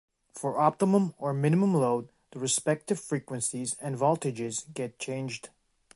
For optimum or minimum load the respective frequencies and voltages get changed.